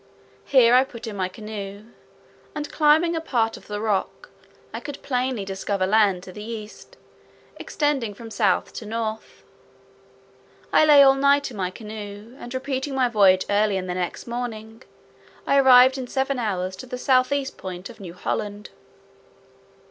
Here I put in my canoe, and climbing a part of the rock, I could plainly discover land to the east, extending from south to north. I lay all night in my canoe; and repeating my voyage early in the morning, I arrived in seven hours to the south east point of New Holland.